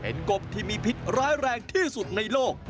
เป็นกบที่มีพิษร้ายแรงที่สุดในโลก